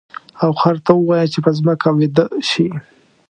او خر ته ووایه چې په ځمکه ویده شي.